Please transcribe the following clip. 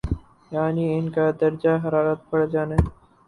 یعنی ان کا درجہ حرارت بڑھ جانے